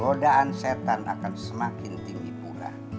rodaan setan akan semakin tinggi pula